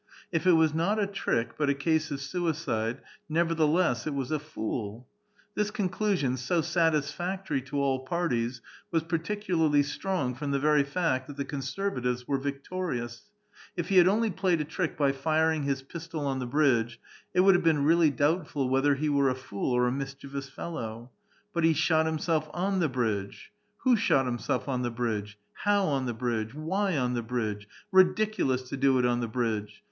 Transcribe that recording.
If it was not a trick, but a case of sui cide, nevertheless, it was a fool ! Tliis conclusion, so satis factory to all parties, was particularly strong from the very fact that the conservatives were victorious : if he had onlv fjlayed a trick by firing, his pistol on the bridge, it would iave been really doubtful whether he were a fool or a mis chievous fellow. But he shot himself on tlie bridge. Who shot himself on the bridge ? How on the bridge ? Why on the bridge ? Ridiculous to do it on the bridge